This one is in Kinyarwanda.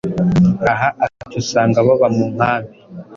Aha akenshi usanga baba mu nkambi